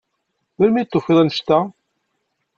Melmi i d-tufiḍ annect-a?